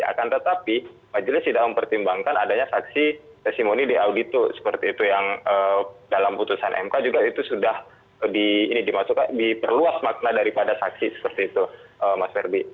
akan tetapi majelis tidak mempertimbangkan adanya saksi testimoni di audito seperti itu yang dalam putusan mk juga itu sudah diperluas makna daripada saksi seperti itu mas ferdi